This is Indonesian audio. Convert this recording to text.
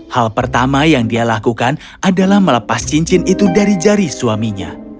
hal pertama yang dia lakukan adalah melepas cincin itu dari jari suaminya